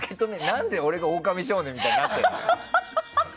何で俺が「オオカミ少年」みたいになってるの。